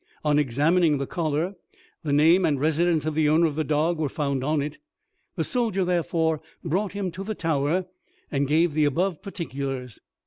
On examining the collar, the name and residence of the owner of the dog were found on it. The soldier therefore brought him to the Tower, and gave the above particulars.